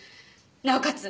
なおかつ